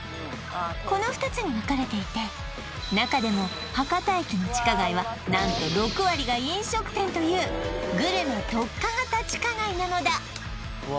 この２つに分かれていて中でも博多駅の地下街は何と６割が飲食店というグルメ特化型地下街なのだうわ